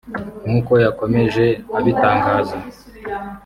nk’uko yakomeje abitangaza